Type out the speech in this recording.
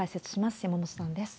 山本さんです。